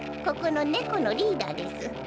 ここの猫のリーダーです。